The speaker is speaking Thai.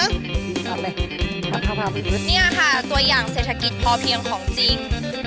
นี่ค่ะตัวอย่างเศรษฐกิจพอเพียงของจริง